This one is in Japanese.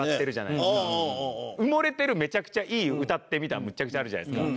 埋もれてるめちゃくちゃいい「歌ってみた」もむちゃくちゃあるじゃないですか。